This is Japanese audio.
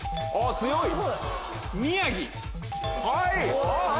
強い！